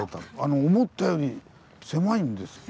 思ったより狭いんです。